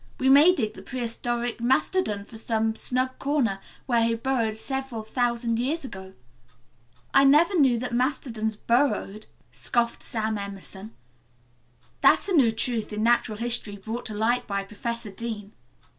We may dig the prehistoric mastodon from some snug corner where he burrowed several thousand years ago. We may " "I never knew that mastodons 'burrowed,'" scoffed Sara Emerson. "That's a new truth in natural history brought to light by Professor Dean."